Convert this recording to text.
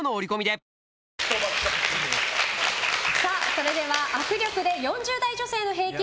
それでは握力で４０代女性の平均